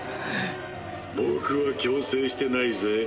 僕は強制してないぜ？